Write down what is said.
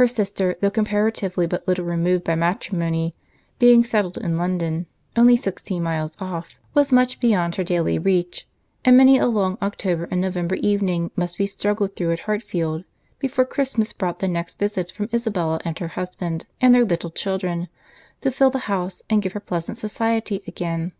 Her sister, though comparatively but little removed by matrimony, being settled in London, only sixteen miles off, was much beyond her daily reach; and many a long October and November evening must be struggled through at Hartfield, before Christmas brought the next visit from Isabella and her husband, and their little children, to fill the house, and give her pleasant society again.